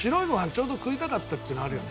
ちょうど食いたかったっていうのあるよね。